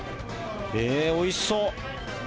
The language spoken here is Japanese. えー、おいしそう。